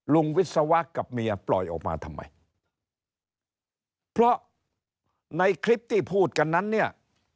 วิศวะกับเมียปล่อยออกมาทำไมเพราะในคลิปที่พูดกันนั้นเนี่ย